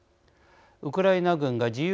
ウクライナ軍が自由